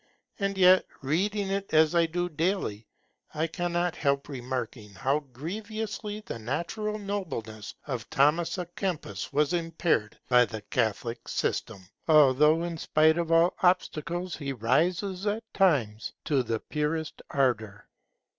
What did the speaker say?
And yet, reading it as I do daily, I cannot help remarking how grievously the natural nobleness of Thomas A'Kempis was impaired by the Catholic system, although in spite of all obstacles he rises at times to the purest ardour.